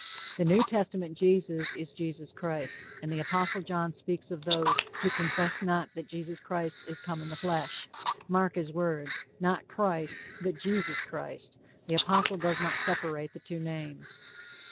The New Testament Jesus is Jesus Christ, and the apostle John speaks of those "who confess not that Jesus Christ is come in the flesh" mark his words not Christ, but Jesus Christ. The apostle does not separate the two names.